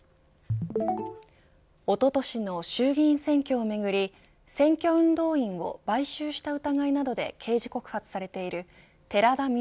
おととしの衆議院選挙をめぐり選挙運動員を買収した疑いなどで刑事告発されている寺田稔